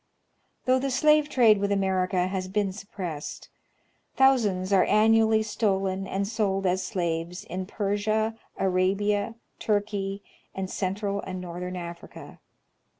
Though the slave trade with America has been suppressed, thousands are annually stolen and sold as slaves in Persia, Arabia, Turkey, and central and northern Africa.